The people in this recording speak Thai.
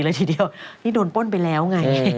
เลยทีเดียวนี่โดนป้นไปแล้วไง